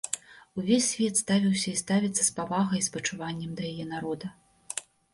Увесь свет ставіўся і ставіцца з павагай і спачуваннем да яе народа.